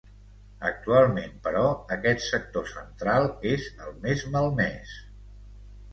Actualment, però, aquest sector central és el més malmès.